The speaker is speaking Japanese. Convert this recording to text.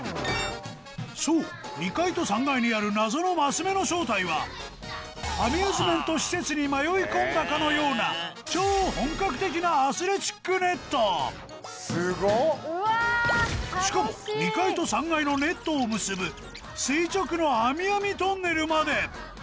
そう２階と３階にある謎のマス目の正体はアミューズメント施設に迷い込んだかのような超本格的なしかも２階と３階のネットを結ぶ垂直のあみあみトンネルまで！